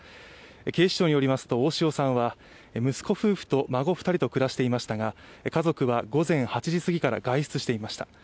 警視庁によりますと大塩さんは、息子夫婦と孫２人と暮らしていましたが家族は午前８時すぎから外出していました。